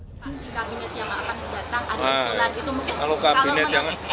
di kabinet yang akan datang ada keselan